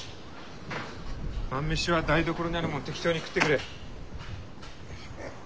晩飯は台所にあるものを適当に食ってくれ。